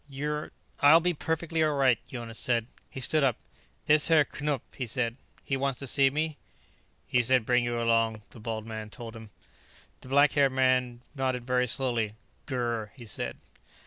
"You're " "I'll be perfectly all right," Jonas said. He stood up. "This Herr Knupf," he said. "He wants to see me?" "He said bring you along," the bald man told him. The black haired man nodded very slowly. "Gur," he said.